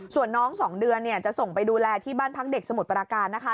ส่วนน้อง๒เดือนจะส่งไปดูแลที่บ้านพักเด็กสมุทรปราการนะคะ